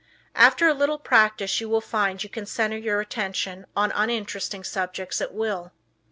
After a little practice you will find you can center your attention on uninteresting subjects at will.